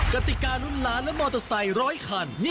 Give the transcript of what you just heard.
กติการุ่นล้านและมอเตอร์ไซค์๑๐๐คัน